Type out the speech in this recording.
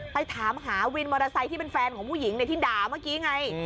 ไปถามหาวินมอเตอร์ไซค์ที่เป็นแฟนของผู้หญิงที่ด่าเมื่อกี้ไง